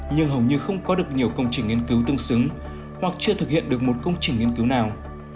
nhưng hầu như không có được nhiều công trình nghiên cứu tương xứng hoặc chưa thực hiện được một công trình nghiên cứu nào